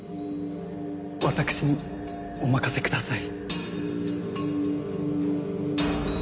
私にお任せください。